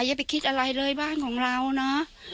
อย่าไปคิดอะไรเลยบ้านของเรานะ